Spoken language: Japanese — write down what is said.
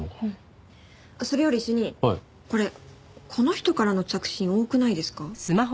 それより主任これこの人からの着信多くないですか？